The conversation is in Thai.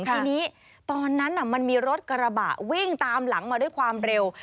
ทีนี้ตอนนั้นมันมีรถกระบะวิ่งตามหลังมาด้วยความเร็ว